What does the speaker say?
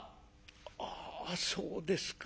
「ああそうですか。